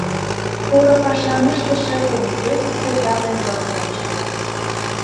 Поро пашам ыштыше комитетысе даме-влак ончылно